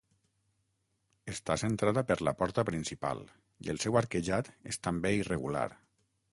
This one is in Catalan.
Està centrada per la porta principal i el seu arquejat és també irregular.